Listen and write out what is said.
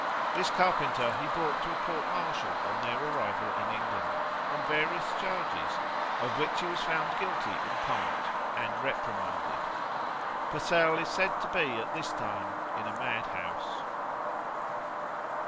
This carpenter he brought to a court martial on their arrival in England, on various charges, of which he was found guilty in part, and reprimanded. Purcell is said to be at this time in a mad house.